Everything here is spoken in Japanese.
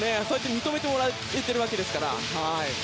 認めてもらえているわけですから。